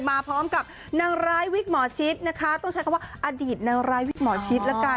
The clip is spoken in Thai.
มาพร้อมกับนางร้ายวิกหมอชิดนะคะต้องใช้คำว่าอดีตนางร้ายวิกหมอชิดละกัน